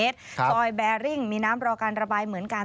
ซอยแบริ่งมีน้ำรอการระบายเหมือนกัน